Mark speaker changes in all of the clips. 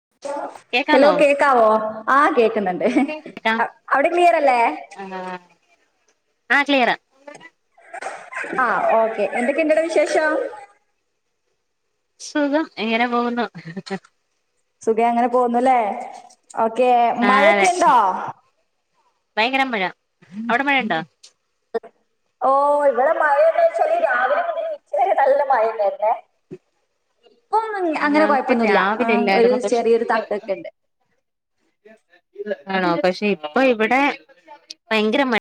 Speaker 1: [inaudible] Hello
Speaker 2: കേക്കാമോ
Speaker 1: കേക്കാവോ ആ കേക്കുന്നുണ്ട് അവിടെ ക്ലിയറല്ലേ
Speaker 2: ആ ആ ക്ലിയറ
Speaker 1: ആ ഓക്കെ എന്തൊക്കെയിണ്ടട വിശേഷം
Speaker 2: സുഖം എങ്ങനെ പോകുന്നു
Speaker 1: സുഖം അങ്ങനെ പോന്നുല്ലേ ഓക്കെ മഴക്കെ ഇണ്ടോ
Speaker 2: ബയങ്കരം മഴ അവിടെ മഴ ഇണ്ടോ
Speaker 1: ഓ ഇവിടെ മഴ എന്ന് വെച്ചാല് രാവിലെ മുതല് ത് വരെ നല്ല മഴന്നേരുന്നേ ഇപ്പം അങ്ങനെ
Speaker 2: ഞങ്ങക്ക്
Speaker 1: കൊഴപ്പൊന്നുല്ല ഹെ
Speaker 2: രാവിലെ
Speaker 1: ഒരു ചെറിയൊരു തട്ടൊക്കെ ഇണ്ട്
Speaker 2: [unintelligible] ഇദ് ആണോ പക്ഷെ ഇപ്പൊ ഇവിടെ ഭയങ്കര മഴ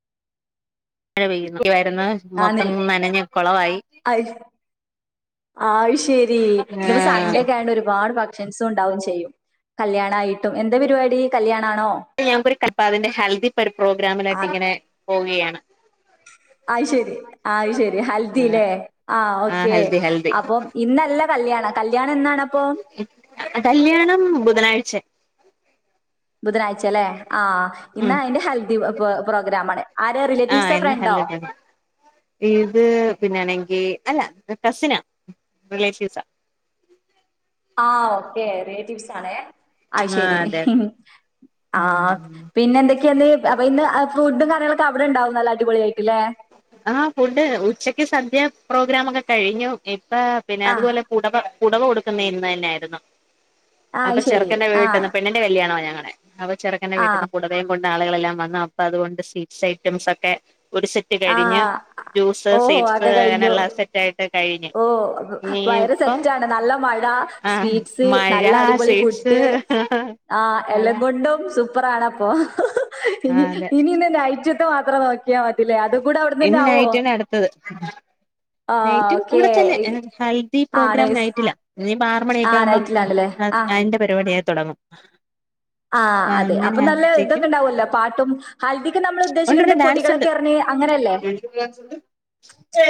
Speaker 2: മഴ പെയ്യുന്നു യിരുന്നു
Speaker 1: ആണിൽ
Speaker 2: മൊത്തം നനഞ്ഞ് കുളവായി
Speaker 1: ഐ ആ ശെരി ഇന്ന്പ്പോ സഡേൊക്ക ആയൊണ്ട് ഒരുപാട് ഭ സും ഉണ്ടാവും ചെയ്യും കല്യാണായിട്ടും എന്താ പരിപാടി കല്ല
Speaker 2: ഞങ്ങക്കൊരു കൽ അപ്പ അതിന്റെ ഹെൽദി പ്രിപ്രോഗ്രാമിലായിട്ട് ഇങ്ങനെ പോവുകയാണ്
Speaker 1: അ ശരി ആ ശരി ഹൽദില്ലേ ആ ഓക്കെ
Speaker 2: ഹൽദി ഹൽദി
Speaker 1: അപ്പം ഇന്നല്ല കല്യാണം ക
Speaker 2: കല്യാണം ബുധനാഴ്ച
Speaker 1: ബുധനാഴ്ചല്ലേ ആ ഇന്ന്
Speaker 2: ഉം
Speaker 1: അതിന്റെ ഹെൽദി പ്രോഗ്രാമാണ് ആരാ
Speaker 2: ആ
Speaker 1: റിലേറ്റീവ്സോ
Speaker 2: ഇന്ന്
Speaker 1: ഫ്രണ്ടോ
Speaker 2: ഹൽദി കല്യാണം. ഇത് പിന്നൊണെങ്കി അല്ല കസിനാ റിലേറ്റീവ്സാ
Speaker 1: ആഹ് ഓക്കേ റിലേറ്റീവ്സ് ആണ് ആ ശരി [unintelligible] ആ
Speaker 2: ഉം
Speaker 1: പിന്നെ എന്തൊക്കെന്ന് അപ്പ ഇന്ന് ഫുഡും കാര്യങ്ങളൊക്കെ അവിടെണ്ടാവും നല്ല അടിപൊളായിയി
Speaker 2: ആ ഫുഡ് ഉച്ചക്ക് സദ്യാ പ്രോഗ്രാം ഒക്കെ കഴിഞ്ഞു ഹെ പിന്നെ
Speaker 1: ആഹ്
Speaker 2: അതുപോലെ പുടവ പുടവ കൊടുക്കുന്ന ഇന്ന് തന്നെയായിരുന്നു
Speaker 1: ആഹ്
Speaker 2: അപ്പൊ
Speaker 1: അത് ശരി.
Speaker 2: ചെറുക്കന്റെ
Speaker 1: ആഹ്
Speaker 2: വീട്ടിന്ന് പെണ്ണിന്റെ കല്യാണ ഞങ്ങളെ അപ്പൊ ചെറുക്കന്റെ വീട്ടിന്ന്
Speaker 1: ആഹ്
Speaker 2: പുടവയും കൊ അപ്പോ ചിപ്സ് ഐറ്റംസ് ഒക്കെ സെറ്റ്
Speaker 1: ആ
Speaker 2: കഴിഞ്ഞ് ജ്യൂസ്
Speaker 1: ഓഹോ
Speaker 2: സ്വീറ്റ്സ്
Speaker 1: അക്കെ കഴിഞ്ഞോ
Speaker 2: അങ്ങനെയുള്ള സെറ്റ് ആയിട്ട് കഴിഞ്ഞ്
Speaker 1: ഓ
Speaker 2: ഇനി
Speaker 1: വയറ്
Speaker 2: ഇപ്പം
Speaker 1: സെറ്റാണ് നല്ല മഴ
Speaker 2: ആഹ്
Speaker 1: സ്വീറ്റ്സ്
Speaker 2: മഴ
Speaker 1: നല്ല അടിപൊളി
Speaker 2: സ്വീറ്റ്സ്
Speaker 1: ഫുഡ് ആ എല്ലാം
Speaker 2: അതാ
Speaker 1: കൊണ്ടും സൂപ്പറാണ് അപ്പ
Speaker 2: ആഹ്
Speaker 1: ഇനി
Speaker 2: അതെ
Speaker 1: ഇനിന്ന് ലൈറ്റൊക്കെ മാത്രം നോക്കി യാ മതില്ലേ അതുകൂടെ അവിട തന്നെ
Speaker 2: ഇന്ന്
Speaker 1: ആവോ
Speaker 2: നൈറ്റിന് അടുത്തത്
Speaker 1: ആഹ്
Speaker 2: നൈറ്റും
Speaker 1: ഓക്കേ.
Speaker 2: ഇവിടെത്തന്നെ ഹെൽദി
Speaker 1: ആണ്.
Speaker 2: പ്രോഗ്രാം നൈറ്റില ഇനിപ്പ ആറുമണിയൊക്കെ
Speaker 1: ആഹ്
Speaker 2: ആകുമ്പം
Speaker 1: നൈറ്റിലാണല്ലേ?
Speaker 2: അതിന്റെ പരിപാടിയായി തുടങ്ങും.
Speaker 1: ആ
Speaker 2: അപ്പ
Speaker 1: അതെ
Speaker 2: അങ്ങനെ
Speaker 1: അപ്പൊ നല്ല
Speaker 2: ആകുമ്പോഴത്തേക്കും
Speaker 1: ഇതൊക്കെ ഉണ്ടാവൂല്ലോ പാട്ടും ഹൽദിക്ക് നമ്മൾ
Speaker 2: ഉണ്ട്ണ്ട്
Speaker 1: ഉദ്ദേശിക്കണത്
Speaker 2: ഡാൻസ് ഉണ്ട്
Speaker 1: പൊടികളൊക്കെ എറിഞ്ഞ് അങ്ങനെയല്ലേ?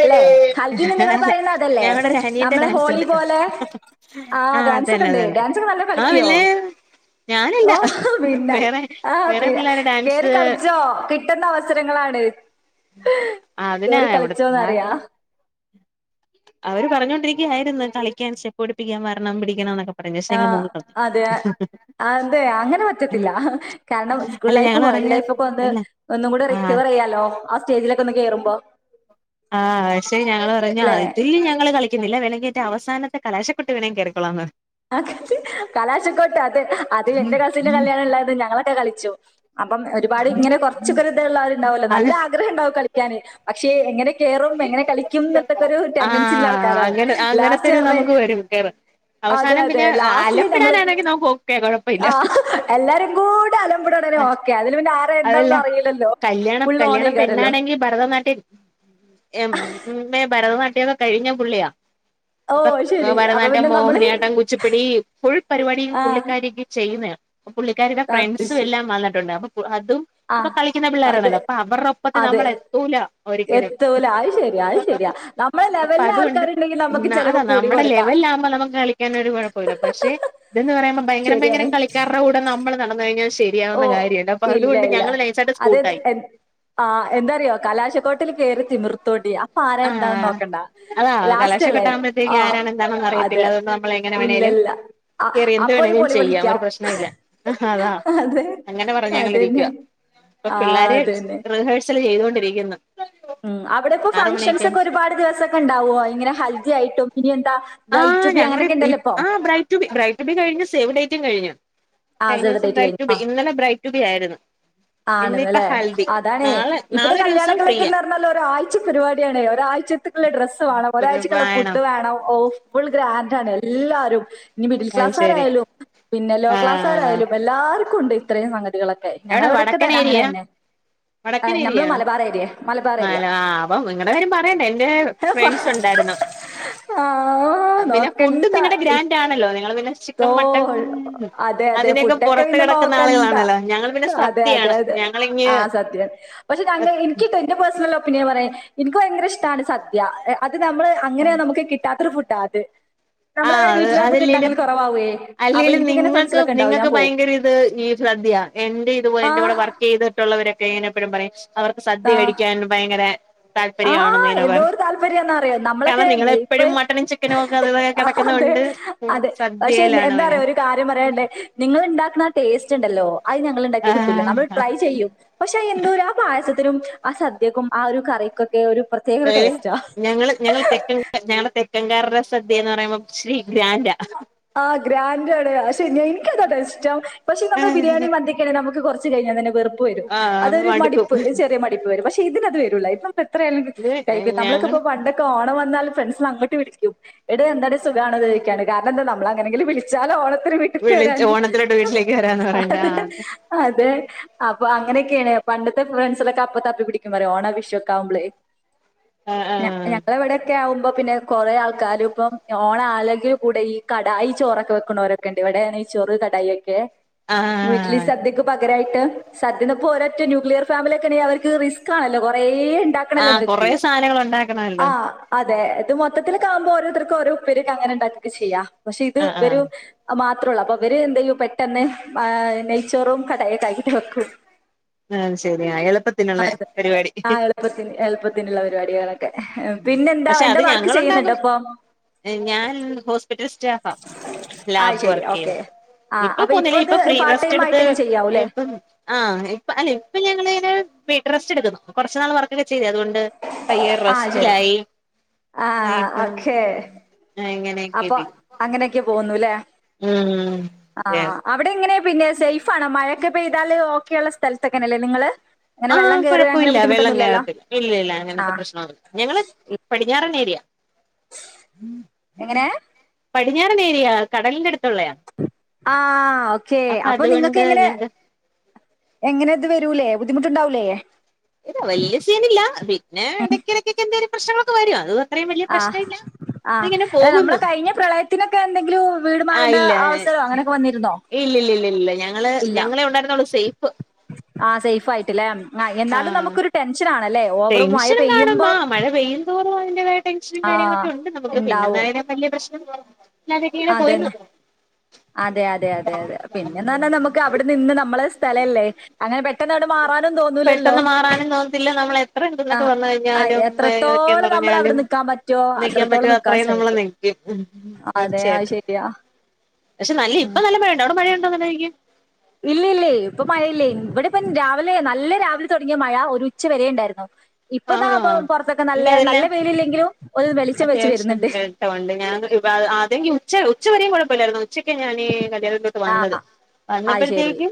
Speaker 1: അല്ലെ ഹൽദിന്ന് നിങ്ങൾ
Speaker 2: അല്ല
Speaker 1: പറയുന്ന അതല്ലേ
Speaker 2: ഞങ്ങളുടെ ഒരു അനിയന്റെ
Speaker 1: നമ്മളെ
Speaker 2: ഡാൻസ്
Speaker 1: ഹോളി
Speaker 2: ഉണ്ട്
Speaker 1: പോലെ. ആ ഡാൻസ് ഒക്കെ
Speaker 2: അതന്നെ
Speaker 1: ഉണ്ട്
Speaker 2: അതന്നെ
Speaker 1: ഡാൻസ് ഒക്കെ നല്ല
Speaker 2: ആ
Speaker 1: കളിക്കുവോ?
Speaker 2: പിന്നെ ഞാനില്ല
Speaker 1: ഓ പിന്നൽ
Speaker 2: വേറെ
Speaker 1: ആ
Speaker 2: വേറെ
Speaker 1: പിന്ന
Speaker 2: പിള്ളേരെ
Speaker 1: കേറി
Speaker 2: ഡാൻസ്
Speaker 1: കളിച്ചോ. കിട്ടുന്ന അവസരങ്ങളാണ്
Speaker 2: അതിനാ
Speaker 1: കേറി
Speaker 2: ഇവിടെ
Speaker 1: കളിച്ചോന്ന് പറയ.
Speaker 2: അവര് പറഞ്ഞുകൊണ്ടിരിക്കുകയായി രുന്നു കളിക്കാൻ സ്റ്റെപ്പ് പടിപ്പിക്കാൻ വരണം പിടിക്കണം എന്നൊക്കെ പറഞ്ഞു പക്ഷെ
Speaker 1: ആ
Speaker 2: ഞങ്ങള് മുങ്ങി
Speaker 1: അതെ അത അങ്ങനെ
Speaker 2: കളഞ്ഞു
Speaker 1: പറ്റത്തില്ല കാരണം സ്കൂൾ
Speaker 2: അല്ല
Speaker 1: ലൈഫ്
Speaker 2: ഞങ്ങള് പറഞ്ഞ്
Speaker 1: ലൈഫ് ഒക്കെ ഒന്ന്
Speaker 2: അല്ല
Speaker 1: ഒന്നും കൂടെ
Speaker 2: ആ
Speaker 1: റിക്കവർ ചെയ്യാലോ ആ സ്റ്റേജിലൊക്കെ ഒന്ന് കേറുമ്പോ.
Speaker 2: ആഹ് പക്ഷെ ഞങ്ങള് പറഞ്ഞ
Speaker 1: ല്ലേ?
Speaker 2: ഇതില് ഞങ്ങള് കളിക്കുന്നില്ല വേണെങ്കി ഏറ്റവും അവസാന കലാശകൊട്ട് വേണെങ്കി കെറിക്കോ
Speaker 1: ആ കലാശക്കോട്ട് അത് അത് എന്റെ കസിന്റെ കല്യാണംല്ലായത് ഞങ്ങളൊക്കെ കളിച്ചു. അപ്പം ഒരുപാട് ഇങ്ങനെ കുറച്ചൊക്കെ ഒരു ഇത് ഉള്ളവരുണ്ടാവുമല്ലോ
Speaker 2: അത്
Speaker 1: നല്ല ആഗ്രഹം ഉണ്ടാവും കളിക്കാന് പക്ഷേ എങ്ങനെ കേറും എങ്ങനെ കളിക്കും എന്നുള്ളതൊക്കെ ഒരു
Speaker 2: ആ
Speaker 1: ടെൻഡൻസി ഉള്ള ആൾക്കാരാണ്.
Speaker 2: അങ്ങനെ
Speaker 1: ലാസ്റ്റ്
Speaker 2: അങ്ങനെത്തൊരു
Speaker 1: പറഞ്ഞ്
Speaker 2: നമുക്ക് വരും കേറ
Speaker 1: അതെ
Speaker 2: അവസാനം
Speaker 1: അതെ
Speaker 2: പിന്നെ
Speaker 1: ലാസ്റ്റില് ഞങ്ങള്
Speaker 2: അലംമ്പിടാനാണെങ്കി നമുക്ക് ഓക്കെ കൊഴപ്പ ഇല്ല.
Speaker 1: ആ എല്ലാരും കൂടെ അലമ്പിടണേ
Speaker 2: ആ
Speaker 1: ഓക്കെ. അതില് പിന്നെ ആരാ
Speaker 2: അതല്ല
Speaker 1: എന്താന്നൊന്നും അറിയില്ലല്ലോ.
Speaker 2: കല്യാണം
Speaker 1: ഫുൾ ഓണേക്കാരല്ലോ.
Speaker 2: കല്യാണപെണ്ണാണെങ്കി ഭരതനാട്യം എം എ ഭരതനാട്യമൊക്കെ കഴിഞ്ഞ പുള്ളിയാ.
Speaker 1: ഓ
Speaker 2: അപ്പൊ
Speaker 1: ശരി. അപ്പൊ
Speaker 2: ഭരനാടം
Speaker 1: പിന്നെ നമ്മള്
Speaker 2: മോഹിനിയാട്ടം കുച്ചിപ്പിടി ഫുൾ പരിപാടി
Speaker 1: ആ
Speaker 2: പുള്ളിക്കാരിക്കെ ചെയ്യുന്നതാണ്. പുള്ളിക്കാരുടെ
Speaker 1: ആ, അത്
Speaker 2: ഫ്രണ്ട്സും
Speaker 1: ശരി.
Speaker 2: എല്ലാം വന്നിട്ടുണ്ട് അപ്പ
Speaker 1: ആ
Speaker 2: അതക്ക കളിക്കുന്ന
Speaker 1: അതെ
Speaker 2: പിള്ളോരാണല്ലോ അപ്പൊ അവരുടെ ഒപ്പത്തിന്
Speaker 1: അതെ.
Speaker 2: നമ്മളെ എത്തൂല ഒരിക്കലും.
Speaker 1: എത്തൂല അത് ശരിയാ അത് ശരിയാ നമ്മളെ
Speaker 2: അപ്പൊ
Speaker 1: ലെവലിലെ
Speaker 2: അതുകൊണ്ട്
Speaker 1: ആൾക്കാരുണ്ടെങ്കിൽ നമുക്ക് ചെലവ്
Speaker 2: അതാ
Speaker 1: കൂടി
Speaker 2: നമ്മുടെ
Speaker 1: കൊടുക്കാം
Speaker 2: ലെവല ആവുമ്പോ നമുക്ക് കളിക്കൻ ഒരു കുഴപ്പ ഇല്ല. പക്ഷെ ഇതന്ന് പറയുമ്പോ ഭയങ്കര ഭയങ്കര
Speaker 1: ശരിയാണ്
Speaker 2: കളിക്കാരുടെ കൂടെ നമ്മള് നടന്ന കഴിഞ്ഞാൽ
Speaker 1: ഓ
Speaker 2: ശരിയാവുന്ന കാര്യുണ്ട് അപ്പൊ
Speaker 1: ഇല്ല
Speaker 2: അതുകൊണ്ട്
Speaker 1: ഇല്ല
Speaker 2: ഞങ്ങള് നൈസാട്ട്
Speaker 1: അത്
Speaker 2: സ്കൂട്ടായി.
Speaker 1: എൻ- ആ എന്താറിയോ കലാശക്കോട്ടിൽ കേറി
Speaker 2: ആ അതാ
Speaker 1: ലാസ്റ്റ് അല്ലേ ആ
Speaker 2: കലാശക്കൊട്ടവുമ്പോഴത്തേക്ക് ആരാണ് എന്താണെന്ന് അറിയത്തില്ല
Speaker 1: അതെ
Speaker 2: അതൊന്നും നമ്മള എങ്ങനെ
Speaker 1: ഇല്ല
Speaker 2: വേണലും
Speaker 1: ഇല്ല അ-
Speaker 2: കേറി എന്ത്
Speaker 1: അപ്പൊ ഒരു
Speaker 2: വേണമേലും
Speaker 1: പൊളി
Speaker 2: ചെയ്യാം ഒരു
Speaker 1: വിളിക്കാം
Speaker 2: പ്രശ്നല്ല അതാ.
Speaker 1: അതെ
Speaker 2: അങ്ങനെ പറഞ്ഞു ഞങ്ങളിരിക്കുക
Speaker 1: അതന്നെ
Speaker 2: ഇപ്പൊ
Speaker 1: ആ
Speaker 2: പിള്ളേര്
Speaker 1: അതന്നെ
Speaker 2: റിഹേഴ്സൽ ചെയ്തൊണ്ടിരിക്കുന്നു.
Speaker 1: ഫങ്ഷൻസ് ഒക്കെ ഒരുപാട് ദിവസൊക്കെ ഉണ്ടാവോ ഇങ്ങെ ഹൽദി ആയിട്ടും ഇനി എന്താ
Speaker 2: ആ
Speaker 1: ബ്രൈഡ് ടു ബി
Speaker 2: ഞങ്ങള്
Speaker 1: അങ്ങനെയൊക്കെ ഉണ്ടല്ലോ ഇപ്പൊ
Speaker 2: ആ bride to be bride to be കഴിഞ്ഞു സേവ് ഡേറ്റും കഴിഞ്ഞു.
Speaker 1: ആ
Speaker 2: കഴിഞ്ഞ
Speaker 1: സേവ് ദ
Speaker 2: ദിവസം
Speaker 1: ഡേറ്റ്
Speaker 2: ബ്രൈഡ് റ്റു ബി ഇന്നലെ ബ്രൈഡ് റ്റു ബി ആയിരുന്നു. ഇന്നിപ്പ
Speaker 1: ആണല്ലെ
Speaker 2: ഹൽദി
Speaker 1: അതാണേ
Speaker 2: നാളെ
Speaker 1: ഇപ്പത്തെ
Speaker 2: നാളെ ഒരു ദിവസം ഫ്രീയാ
Speaker 1: കല്യാണക്കിലേക്കന്ന് പറഞ്ഞാല് ഒരാഴ്ച പരിപാടിയാണ് ഒരാഴ്ച ഡ്രസ്സ് വേണം ഒരാഴ്ചക്കുള്ള ഫുഡ് വേണം ഓ ഫുൾ ഗ്രാൻഡ് ആണ് എല്ലാരും. ഇനി മിഡിൽ
Speaker 2: അത് ശരി
Speaker 1: ക്ലാസ്കാരായാലും പിന്നെ ലോ
Speaker 2: ആഹ്
Speaker 1: ക്ലാസ്കാരായാലും എല്ലാവർക്കും ഉണ്ട് ഇത്രയും സംഗതികളൊ ഞങ്ങള എവിടക്കക്ക് തരാ അങ്ങനെ തന്നെ.
Speaker 2: വടക്കൻേ
Speaker 1: നമ്മൾ
Speaker 2: ഏരിയാണോ
Speaker 1: മലബാർ ഏരിയ മലബാർ ഏരിയ
Speaker 2: ആണോ ആ അ നിങ്ങളടെ കാര്യം പറയണ്ടേ എൻ്റെ ഫ്രണ്ട്സ് ഉണ്ട
Speaker 1: ആ
Speaker 2: പിന്നെ
Speaker 1: നോക്കണ്ട
Speaker 2: നിങ്ങടെ ഗ്രാൻഡ് ആണല്ലോ നിങ്ങള് പിന്നെ ചിക്കൻ മട്ടൻ
Speaker 1: തോൾ അതെ അതെ
Speaker 2: അതിൻ്റെക്കാ
Speaker 1: ഫുഡൊക്കെ
Speaker 2: പുറത്ത്
Speaker 1: പിന്നെ
Speaker 2: കിടക്കുന്ന
Speaker 1: നോക്കണ്ട.
Speaker 2: ആളുകളാണല്ലോ. പിന്നെ
Speaker 1: അതെ അതെ
Speaker 2: സദ്യയാണ്
Speaker 1: അതെ
Speaker 2: ഞങ്ങളിങ്ങ്
Speaker 1: ആ സത്യം പക്ഷെ ഞ എനക്ക്ട്ടോ എന്റെ പേഴ്സണൽ ഒപ്പീനിയൻ പറയാ എനിക്ക് ഭയങ്കര ഇഷ്ടമാണ് സദ്യ അത് നമ്മള് അങ്ങനെയ നമുക്ക് കിട്ടാത്തൊരു ഫുഡാ അത്. നമ്മളെ വീട്ടിലൊക്കെ ഉണ്ടാക്കല് കുറവുവേ
Speaker 2: അല്ലെങ്കിൽ നിങ്ങൾക്ക് നിങ്ങൾക്ക് ഭയങ്കര ഇത് ഈ സദ്യ എന്റെ ഇതുപോലെ എന്റെ കൂടെ
Speaker 1: ആഹ്
Speaker 2: വർക്ക് ചെയ്തിട്ടുള്ള അവരൊക്കെ എങ്ങനെപ്പോഴും പറയും അവർക്ക് സദ്യ
Speaker 1: ആഹ്.
Speaker 2: കഴിക്കാൻ ഭയങ്കര
Speaker 1: ആ
Speaker 2: താല്പര്യണെന്ന് ഇങ്ങനെ
Speaker 1: എന്തോ
Speaker 2: പറയും
Speaker 1: ഒരു താല്പര്യാന്നറിയോ? നമ്മളൊക്കെ
Speaker 2: കാരണം നിങ്ങള്
Speaker 1: മെ- ഇപ്പൊ
Speaker 2: എപ്പോഴും മട്ടനും ചിക്കനൊക്കെ [unintelligible]
Speaker 1: ആ, അതെ അതെ പക്ഷെ എന്താ റിയോ
Speaker 2: ഭയങ്കര
Speaker 1: ഒരു കാര്യം പറയണ്ടേ നിങ്ങള് ണ്ടാ ക്ക് ണാടേസ്റ്റ് ണ്ടല്ലോ അത് ഞങ്ങള് ണ്ടാക്ക്യാ കിട്ടൂല
Speaker 2: ആഹ്
Speaker 1: നമ്മൾ ട്രൈ ചെയ്യും പക്ഷെ എന്തോര ആ പായസത്തി ത്തിനും ആ സദ്യക്കും ആ ഒരു കറിക്കൊ
Speaker 2: ഞങ്ങള് ഞങ്ങൾ തെക്കൻ ഞങ്ങള് തെ തെക്കൻകാരുടെ സദ്യ എന്ന് പറയുമ്പോം ഇച്ചിരി ഗ്രാൻഡ.
Speaker 1: ആ ഗ്രാൻഡാണ് അഅ് ശെര്യാ ഇൻക്കതാട്ടോ ഇഷ്ടം പക്ഷെ നമ്മള് ബിരിയാണി മന്തിക്കണെ നമുക്ക് കൊർ ച്ച്കഴിഞ്ഞാത്തന്നെ വെറു പ്പു വരും
Speaker 2: ആഹ്
Speaker 1: അതൊരു
Speaker 2: മടുക്കും
Speaker 1: മടിപ്പ് ചെറിയ മടിപ്പ് വരും പക്ഷെ ഇതിനത് വരൂല ഇപ്പം എത്രയാലും
Speaker 2: ഇത്
Speaker 1: കയ്യ്ക്ക
Speaker 2: ഞങ്ങള്
Speaker 1: നമ്മളൊക്കെപ്പം പണ്ടൊക്കെ ഓണം വ ന്നാൽ ഫ്രണ്ട്സ് നെ അങ്ങട്ട് വിളിക്കും എടീ എന്താടീ സുഖാണോ ചോയിക്കാനൊക്കെ കാരണം എന്താന്നൊ അമ്മളെ അങ്ങനെങ്കിലും വിളിച്ചാലോ ഓണ ഇവരെ വീട്ട്ക്ക്
Speaker 2: വിളിച്ച്
Speaker 1: വരാന്
Speaker 2: ഓണത്തിലോട്ട് വീട്ടിലേക്ക് വരാന്ന്
Speaker 1: ആ
Speaker 2: പറയണ്ട
Speaker 1: അതെ
Speaker 2: ആഹ് അത്
Speaker 1: അതേ അ പ്പൊ അങ്ങനെക്കായാണ് പണ്ടത്തെ ഫ്രണ്ട്സിലൊക്കെ അപ്പം തപ്പി പിടിക്കും പറ്യാ ഓണം വിഷൊക്കവുമ്പളേ ഞ
Speaker 2: ആഹ്
Speaker 1: ഞങ്ങളെ വടെക്കെ ആവുമ്പോ പിന്നെ കൊറേ ആൾക്കാരും ഇപ്പം ഓണആലെങ്കിലും കൂടെ ഈ കടായി ചോറൊക്കെ വെക്ക്ണോരൊക്കെണ്ട് ഇവിടെ നെയ്ചോറ് കടായൊക്കേ വീട്ടില്
Speaker 2: ആഹ്
Speaker 1: സദ്യക്ക് പക കരായിട്ട് സദ്യനിപ്പോ ഒരൊറ്റ ന്യൂക്ലിയർ ഫാമില്യൊ ക്കെണങ്കി അവർക്ക് റിസ്ക്കണല്ലോ കൊറേ ഇണ്ടാക്കാണല്ലോ
Speaker 2: ആഹ്
Speaker 1: ത്ക്ക്
Speaker 2: കൊറേ സാധനങ്ങൾ ഉണ്ടാക്കണല്ലോ
Speaker 1: ആ അ തെ ഇത് മൊത്തത്തിലൊക്കവുമ്പോ ഓരോര്ത്തർക്ക് ഓരോ ഉപ്പേര്യൊക്കെ അങ്ങനെ ഇണ്ടാക്കൊക്കെ ചെയ്യാ പക്ഷെ ഇത്
Speaker 2: ആഹ്
Speaker 1: ഇവരു
Speaker 2: ആഹ്
Speaker 1: മാ മാത്രള്ളൂ അപ്പം ഇവര് എന്തെയ്യും പെട്ടെന്ന് വാ നെയ്ച്ചോറും കടായിയും ആക്കിട്ട് വെക്കും
Speaker 2: അത് ശരിയാ എളുപ്പത്തിനുള്ള
Speaker 1: അതെ
Speaker 2: പരിപാടി
Speaker 1: ആ എളുപ്പത്തിന് എള്പ്പത്തിനുള്ള പരിപാടികളൊക്കെ പിന്നെ എന്താ എന്തേ വർക്ക് ചെയ്യുന്നുണ്ടോ പ്പൊ
Speaker 2: എ ഞാൻ ഹോസ്പിറ്റൽ സ്റ്റാഫാ
Speaker 1: ആ
Speaker 2: ലാബ്
Speaker 1: ശരി ഓക്കെ
Speaker 2: വർക്കെയ്യുന്നു
Speaker 1: ആ
Speaker 2: ഇപ്പ
Speaker 1: അപ്പൊ
Speaker 2: പോന്നിലേ
Speaker 1: ഇത്
Speaker 2: ഇപ്പൊ ഫ്രീ
Speaker 1: പാർട്ട്
Speaker 2: റസ്റ്റ്
Speaker 1: ടൈം
Speaker 2: എടുത്ത്
Speaker 1: ആയിട്ടൊക്കെ ചെയ്യാവൂല്ലേ
Speaker 2: ഇപ്പം ആ അല്ലെ ഇപ്പ ഞങ്ങള് ഇങ്ങനെ പീ റെസ്റ്റെടുക്ക് ന്നു കൊറച്ച് നാള് വർക്കൊക്കെ ചെ യ്തതോണ്ട് പയ്യെ
Speaker 1: ആ ശരി
Speaker 2: റെസ്റ്റിലായി
Speaker 1: ആ
Speaker 2: നി ഇപ്പം
Speaker 1: ഓക്കെ
Speaker 2: എങ്ങ
Speaker 1: അപ്പൊ അങ്ങനെക്കെ പോവുന്നു ല്ലെ
Speaker 2: ഉം
Speaker 1: അആ ആ അവടെ എങ്ങനെ പിന്നെ സെയ്ഫാണേ മഴക്കെ പെയ്താല് ഓക്കെള്ള സ്ഥല്ത്തെക്കനെയല്ലേ നിങ്ങള് അങ്ങനെ
Speaker 2: ആ
Speaker 1: വെള്ളം കയറുക അങ്ങനെ
Speaker 2: കൊഴപ്പൊല്ല
Speaker 1: ബുദ്ധിമുട്ടൊന്നും
Speaker 2: വെള്ളം
Speaker 1: ഇല്ലല്ലോ
Speaker 2: കേറത്തില്ല ഇല്ലല്ല
Speaker 1: ആ
Speaker 2: അങ്ങനത്തെ പ്രശ്നൊ ഞങ്ങള് പടിഞ്ഞാറൻ ഏരിയാ
Speaker 1: എങ്ങനേ
Speaker 2: പടിഞ്ഞാറൻ ഏരിയാ കടലിന്റെട്
Speaker 1: ആ ഓക്കെ അപ്പൊ നിങ്ങക്ക്
Speaker 2: അതുകൊണ്ട്
Speaker 1: എങ്ങനെ
Speaker 2: ഞങ്ങക്ക്
Speaker 1: എങ്ങനെ ഇത് വരൂലേ ബുദ്ധിമുട്ടുണ്ടാവൂലേ
Speaker 2: ഇല്ലാ വല്ല്യ സീനില്ലാ പിന്നേ എടയ്ക്കെടക്ക്ക്കൊക്കെ എന്തേലും പ്രശ്നങ്ങളൊക്കെ വരും അത് അത്രയും വെല്ല്യ
Speaker 1: ആ
Speaker 2: പ്രശ്നല്ലാ
Speaker 1: ആ അല്ലാ നമ്മളെ കയിഞ്ഞ പ്രളയത്തിനൊക്കെ എന്തെങ്കിലും വീട്
Speaker 2: ആ
Speaker 1: മാറേണ്ട
Speaker 2: ഇല്ല
Speaker 1: അവസരോ അങ്ങനെക്കെ വന്നിരുന്നോ
Speaker 2: ഇല്ലില്ലില്ലില്ല ഞങ്ങള്
Speaker 1: ഇല്ല
Speaker 2: ഞങ്ങളെ ഉണ്ടായിരുന്നൊള്ളൂ സെയ്ഫ്
Speaker 1: ആ സെയ്ഫായിട്ട്ല്ലേ ങാ എന്നാലും നമുക്കൊരു ടെൻഷനാ
Speaker 2: ടെൻഷനും കാണും ആ മഴ പെയ്യ്ന്തോ ഓ അയിന്റെതായ ടെൻഷനും
Speaker 1: ആ
Speaker 2: കാര്യങ്ങളൊക്കെണ്ട് നമ്മുക്ക് പിന്നെ
Speaker 1: ഇണ്ടാവും
Speaker 2: ന്തായാലും വെല്ല്യ പ്രശ്നം ഇല്ലാതെക്കങ്ങനെ പോയിരുന്നു
Speaker 1: അതന്നെ അതെ യതെ യതെ യതെ പിന്നെന്ന് പർഞ്ഞ നമ്മക്ക് അവിടെ നിന്ന് നമ്മളെ സ്ഥലല്ലേ അങ്ങനെ പെട്ടെന്നങ്ങട് മാ റാനും തോന്നൂലല്ലോ
Speaker 2: പെട്ടെന്ന് മാറാനും തോന്നത്തില്ല നമ്മളെ ത്ര എന്തെങ്കിലൊക്കെ വന്ന്
Speaker 1: ആ
Speaker 2: കഴിഞ്ഞാലും ഏ ഏതൊക്കെ
Speaker 1: എത്രത്തോളം നമ്മൾ അവിടെ
Speaker 2: പറഞ്ഞാലും
Speaker 1: നിക്കാൻ പറ്റുവോ
Speaker 2: നിക്കാൻ പറ്റോ
Speaker 1: അത്രത്തോളം നിക്കാൻ
Speaker 2: അത്രയും നമ്മള്
Speaker 1: ശ്രമിക്കും
Speaker 2: നിക്കും ഉം
Speaker 1: അതെ അത്
Speaker 2: തീർച്ചയായിട്ടും
Speaker 1: ശരിയാ
Speaker 2: പക്ഷെ നല്ലെ ഇപ്പ നല്ല മഴണ്ട് അവിടെ മഴയുണ്ടോ [unintelligible] നെക്കും
Speaker 1: ഇല്ല ല്ലെയ് ഇപ്പ മഴയിലെയ് ഇവിടെ ഇപ്പം രാവിലെ നല്ല രാവിലെ തൊടങ്ങിയ മഴ ഒരു ഉച്ച വരെ ണ്ടായിരുന്നു ഇപ്പം ദാ
Speaker 2: ആണോ
Speaker 1: പ്പം പൊറത്തൊക്കെ നല്ലെ നല്ല
Speaker 2: എനിക്കതെല്ലാം
Speaker 1: വെയില് ഇല്ലെങ്കിലും ഒരു വെളിച്ചം വെച്ച് വരുന്ന്ണ്ട്
Speaker 2: അതേങ്കി ഉച്ച ഉച്ചവരെയും കൊഴപ്പല്ലായിരുന്നു ഉച്ചക്ക് ഞാനീ കേറിതൊട്ട്
Speaker 1: ആ
Speaker 2: വന്നത്
Speaker 1: അത് ശരി
Speaker 2: വന്നപ്പഴ്ത്തേക്കും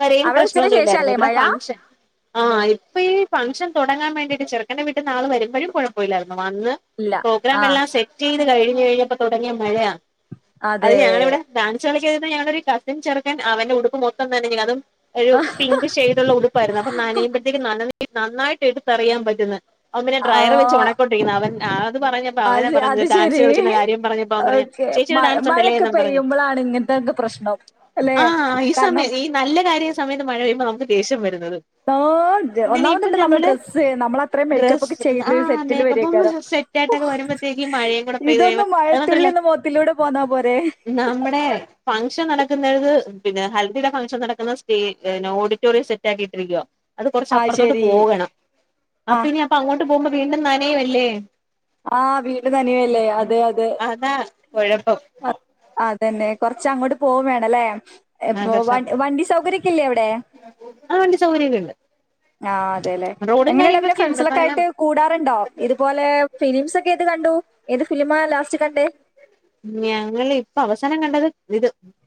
Speaker 2: വരെയും
Speaker 1: അവിടെ ഉച്ചന്
Speaker 2: പ്രശ്നൊന്നുല്ലായിരുന്നു
Speaker 1: ശേഷല്ലേ
Speaker 2: ഇവിടെ
Speaker 1: മഴ
Speaker 2: ഫംഗ്ഷൻ ആഹ് ഇപ്പം ഈ ഫംഗ്ഷൻ തൊടങ്ങാൻ വേ ണ്ടി ചെർക്കന്റെ വീട്ട്ന്ന് ആള് വര്മ്പഴും കൊഴപ്പല്ലായിരുന്നു വന്ന്
Speaker 1: ഇല്ല ആ
Speaker 2: പ്രോഗ്രാമെല്ലാം സെറ്റെയ് ത് കഴിഞ്ഞേഞ്ഞപ്പം തൊടങ്ങിയ മഴയാ അത്
Speaker 1: അതെ
Speaker 2: ഞങ്ങളിവിടെ ഡാൻസ് കളി [unintelligible] ഞങ്ങളൊരു കസിൻ ചെർക്കൻ അവന്റെ ഉടുപ്പ് മൊത്തം നനഞ്ഞു അതും ഒരു പിങ്ക് ഷെയ്ഡുള്ള ഉടുപ്പായിരുന്നു അപ്പം നനയുമ്പഴെത്തേക്കും നന നന്നായിട്ട് എടുത്തെറിയാൻ പറ്റുന്ന് അവൻ പിന്നെ
Speaker 1: ആ
Speaker 2: ഡ്രയറ് വെച്ച് ഒണക്കൊണ്ടിരിക്കുന്നു അവൻ അത് പറഞ്ഞപ്പം അവനെ
Speaker 1: അത് അത്
Speaker 2: പറഞ്ഞത് ഡാൻസ്
Speaker 1: ശരി
Speaker 2: കളിക്കുന്ന കാര്യം പറഞ്ഞപ്പം അവൻ പറയ
Speaker 1: ഓക്കെ
Speaker 2: ചേച്ചിയുടെ
Speaker 1: മഴ മഴൊക്കെ
Speaker 2: ഡാൻസ്
Speaker 1: പെയ്യുമ്പോഴാണ് ഇങ്ങനത്തെൊക്കെ പ്രശ്നം അല്ലെ
Speaker 2: [unintelligible] ആഹ്‌ ഈ
Speaker 1: കാരണം
Speaker 2: സമയം ഈ നല്ല കാര്യ സമയത്ത് മഴ പെയ്യുമ്പോൾ നമുക്ക് ദേഷ്യം വരുന്നത്
Speaker 1: ആ ഇത്
Speaker 2: പിന്ന ഇപ്പൊ
Speaker 1: ഒന്നാമതുണ്ട്
Speaker 2: നമ്മളെ
Speaker 1: ഡ്രസ്സ് നമ്മൾ അത്രയും മേക്കപ്പ് ഒക്കെ
Speaker 2: ഡ്രസ്
Speaker 1: ചെയ്ത്
Speaker 2: ആ
Speaker 1: സെറ്റില്
Speaker 2: മേക്കപ്പും
Speaker 1: വരേക്കാരോ
Speaker 2: സെറ്റ് ആയിട്ടൊക്കെ വരുമ്പത്തേക്കും മഴയും കൂടെ പെയ്ത്
Speaker 1: ഇതൊന്നും മഴത്തുള്ളി
Speaker 2: കഴിയുമ്പ
Speaker 1: ഒന്ന് മുഖത്തിലൂടെ പോന്നാ പോരെ
Speaker 2: [unintelligible] നമ്മടെ ഫംഗ്ഷൻ നടക്കുന്നത് പിന്നെ ഹൽദിയുടെ ഫംഗ്ഷൻ നടക്കുന്ന സ്റ്റേ ഓഡിറ്റോറിയം സെറ്റ് ആക്കിട്ടിരിക്കുവാ അത് കൊറച്ച്
Speaker 1: ആ
Speaker 2: അപ്പുറത്തോട്ട്
Speaker 1: ശരി
Speaker 2: പോകണം
Speaker 1: ആ
Speaker 2: അപ്പ ഇനി അപ്പൊ അങ്ങോട്ട് പോകുമ്പോ വീണ്ടും നനയുവല്ലേ
Speaker 1: ആഹ്‌ വീണ്ടും നനയുവല്ലെ അതെ അതെ
Speaker 2: അതാ കുഴപ്പം
Speaker 1: അതന്നെ കൊറച്ച് അങ്ങോട്ട് പോകു വാണല്ലേ
Speaker 2: ആ
Speaker 1: ഇപ്പൊ
Speaker 2: കുറച്ച്
Speaker 1: വ
Speaker 2: ആ
Speaker 1: വണ്ടി സൗകര്യക്കല്ലേ അവിടെ
Speaker 2: വണ്ടി സൗകര്യമൊക്കെ ഉണ്ട്
Speaker 1: ആഹ്‌ അതെല്ലെ
Speaker 2: റോഡും
Speaker 1: എങ്ങനെയണ്ട പിന്നെ
Speaker 2: കാര്യങ്ങളൊക്കെ ഉണ്ട്
Speaker 1: ഫ്രണ്ട്സിലൊക്കെ
Speaker 2: കാരണം
Speaker 1: ആയിട്ട് കൂടാറുണ്ടോ ഇതുപോലെ ഫിലിംസ് ഒക്കെ ഏത് കണ്ടു ഏത് ഫിലിം ലാസ്റ്റ് കണ്ടേ
Speaker 2: ഞങ്ങളെ ഇപ്പൊ അവസാനം കണ്ടത് ഇത്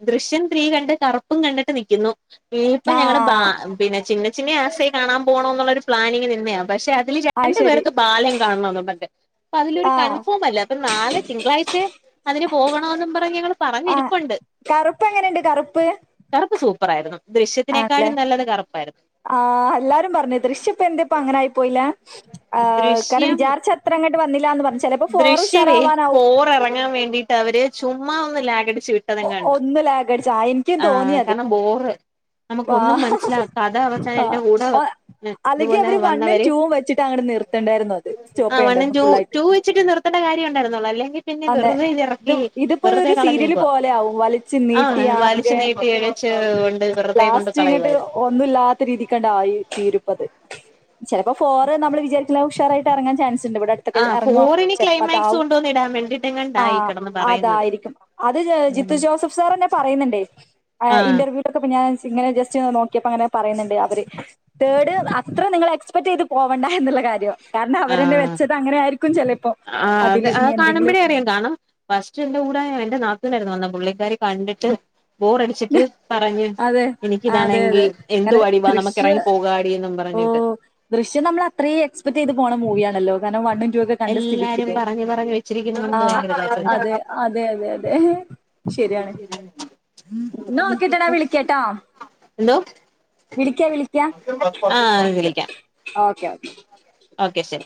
Speaker 2: ദൃശ്യം ത്രീ കണ്ട് കറുപ്പും കണ്ടിട്ട് നിക്കുന്നു വീട്ട് ഞങ്ങളെ ബാ
Speaker 1: ആഹ്
Speaker 2: പിന്നെ ചിന്ന ചിന്ന യാസയെ കാണാൻ പോണോന്നുള്ളരു പ്ലാനിങ് നിന്നെയാ പക്ഷെ ഇതില്
Speaker 1: അത്
Speaker 2: രണ്ടു
Speaker 1: ശരി
Speaker 2: പേർക്ക് ബാലൻ കാണാ ണോന്നുണ്ട് അപ്പൊ അതിലൊരു
Speaker 1: ആഹ്
Speaker 2: കൺഫേം അല്ല അപ്പൊ നാലെ തിങ്കളാഴ്ച അതിനെ പോകണോന്നും പറഞ്ഞ് ഞങ്ങളെ
Speaker 1: ആഹ്
Speaker 2: പറഞ്ഞിരിപ്പുണ്ട്.
Speaker 1: കറുപ്പ് എങ്ങനെയുണ്ട് കറുപ്പ്
Speaker 2: സൂപ്പറായിരുന്നു ദൃശ്യത്തിനേക്കാളും നല്ലതു കറുപ്പായിരുന്നു.
Speaker 1: ആഹ്‌ എല്ലാരും പറഞ്ഞു ദൃശ്യ ഇപ്പൊ എന്ത ഇപ്പ അങ്ങനെ ആയി പോയില്ല ആ കാരണം വിചാരിച്ച അത്ര അങ്ങോട്ട് വ
Speaker 2: ദൃശ്യവേ ഫോർറങ്ങാൻ വേണ്ടിട്ട് അവരെ ചുമ്മാ അങ്ങ് ലാഗ്- ച്ചിട്ടതെങ്ങണ്ട
Speaker 1: ഒന്ന് ലാഗടിച്ച
Speaker 2: ആ കാരണം ബോറ്
Speaker 1: വ
Speaker 2: എന്റെ കൂടെ
Speaker 1: ആഹ്‌ അല്ലെങ്കിൽ
Speaker 2: ഇതുപോലെ
Speaker 1: അവരെ വണ്ണും
Speaker 2: വന്നവര്
Speaker 1: ടുവും വെച്ചിട്ടങ്ങ- നിർത്തണ്ടായിരുന്നു അത്
Speaker 2: ആ വണ്ണും
Speaker 1: സ്റ്റോപ്പ്യ്യേണ്ടായിരുന്നു
Speaker 2: ടു
Speaker 1: ഫുൾ ആയിട്ട്
Speaker 2: ടു വെച്ചിട്ട് നിർത്തേണ്ട കാര്യ ഉണ്ടായിരുന്നോള്ളു അല്ലെങ്കിൽ പിന്നെ
Speaker 1: അതെ
Speaker 2: വെറുതെ
Speaker 1: ഇത്
Speaker 2: ഇറക്കി
Speaker 1: ഇതിപ്പോ
Speaker 2: വെറുതെ
Speaker 1: ഒരു സീരിയല്
Speaker 2: കളഞ്ഞേക്കുവാ
Speaker 1: പോലെ ആവും വലിച്ചു
Speaker 2: ആ
Speaker 1: നീട്ടി
Speaker 2: വലിച്ച്
Speaker 1: ആകെ
Speaker 2: നീട്ടി എഴച്ച് കൊണ്ട് വെറുതെ കൊണ്ട്
Speaker 1: ലാസ്റ്റ് ഇങ്ങട്ട്
Speaker 2: കളയുവായിരുന്നു
Speaker 1: ഒന്നുമില്ലാത്ത രീതിക്കണ്ട ആയി തീരുപ്പ് അത് ചിലപ്പോ ഫോറ് നമ്മളെ വിചാരിക്കാ ഉഷാറായിട്ട് ഇറങ്ങാൻ ചാൻസ് ണ്ട് ഇവ്ടടുത്തൊക്കെ
Speaker 2: ആ
Speaker 1: ഏറങ്ങോ
Speaker 2: ഫോറിന്
Speaker 1: ചെൽപ്പം
Speaker 2: ക്ലൈമാക്സ്
Speaker 1: അതാവും.
Speaker 2: കൊണ്ടുവന്ന് ഇടാൻ വേണ്ടിട്ടെങ്ങാണ്ടാ
Speaker 1: ആ
Speaker 2: ഈ കിടന്ന് പറയുന്നത്
Speaker 1: അതായിരിക്കും അത് ജിത്തു ജോസഫ് സാറന്നെ പറയ്ന്നുണ്ട്.
Speaker 2: ആ
Speaker 1: ഇന്റർവ്യൂക്കെ പ്പൊ ഞാൻ ഇങ്ങനെ ജസ്റ്റ് നോക്കിയപ്പോ അങ്ങനെ പറയുന്നുണ്ട് അവര്. തേഡ് അത്ര നിങ്ങൾ എക്സ്പെക്ട് ചെയ്ത് പോവണ്ട എന്നുള്ള കാര്യം. കാരണം അവരെന്നെ
Speaker 2: ആ
Speaker 1: വെച്ചത് അങ്ങനെ ആയിരിക്കും ചെലേപ്പൊ.
Speaker 2: ആ അത് അത് കാണുമ്പോഴേ അറിയാം. കാണം ഫസ്റ്റ് എന്റെ കൂടെ എന്റെ ന ത്തൂനായിരുന്നു വന്ന പുള്ളിക്കാരി കണ്ടിട്ട് ബോറടിച്ചിട്ട് പറഞ്ഞ്
Speaker 1: അതെ അതെ
Speaker 2: എനിക്കിതാണെങ്കി
Speaker 1: അതെ
Speaker 2: എന്തുവാടീ ബാ നമുക്ക് എറങ്ങി പോകാടി ന്നും പർ
Speaker 1: ഓഹ് ദൃശ്യം നമ്മള് അത്രയും എക്സ്പെക്റ്റെയ്ത് പോണ മൂവിയാണല്ലോ. കാരണം വൺ ടു ഒക്കെ കണ്ട
Speaker 2: എല്ലാരും
Speaker 1: സ്‌ഥിതിക്ക്.
Speaker 2: പറഞ്ഞു പറഞ്ഞു വെച്ചിരിക്കുന്നത് കൊണ്ട്
Speaker 1: ആഹ്
Speaker 2: ഭയങ്കര
Speaker 1: അതെ അതെ അതെ തെ. ഓക്കെട്ടാ ഞാൻ വിളിക്കാട്ടോ
Speaker 2: എന്തോ
Speaker 1: വിളിക്കാ വിളിക്കാ.
Speaker 2: ആഹ് വിളിക്കാം.
Speaker 1: Okay okay.
Speaker 2: ഓക്കെ ശരി.